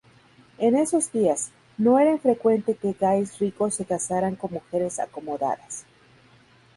En esos días, no era infrecuente que gais ricos se casaran con mujeres acomodadas.